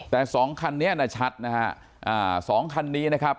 แต่๒คันนี้นะชัดนะฮะ๒คันนี้นะครับ